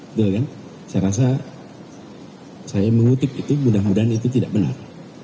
betul kan saya rasa saya mengutip itu mudah mudahan itu tidak benar